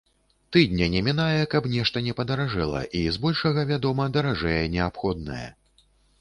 Тыдня не мінае, каб нешта не падаражэла, і збольшага, вядома, даражэе неабходнае.